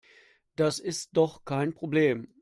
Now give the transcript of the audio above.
Das ist doch kein Problem.